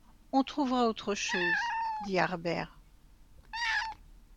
On trouvera autre chose, dit Harbert.